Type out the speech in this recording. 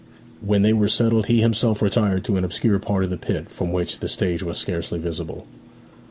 When they were settled he himself retired to an obscure part of the pit, from which the stage was scarcely visible.